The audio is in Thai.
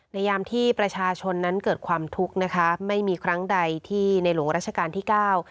ยามที่ประชาชนนั้นเกิดความทุกข์นะคะไม่มีครั้งใดที่ในหลวงราชการที่เก้า